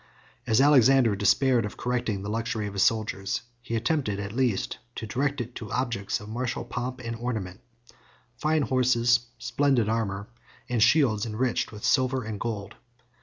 As Alexander despaired of correcting the luxury of his soldiers, he attempted, at least, to direct it to objects of martial pomp and ornament, fine horses, splendid armor, and shields enriched with silver and gold.